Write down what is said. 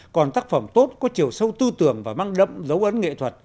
còn tác phẩm tốt có chiều sâu tư tưởng và mang đậm dấu ấn nghệ thuật